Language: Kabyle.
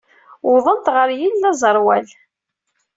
Wwḍent ɣer yilel aẓerwal.